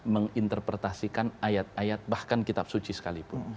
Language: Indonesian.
menginterpretasikan ayat ayat bahkan kitab suci sekalipun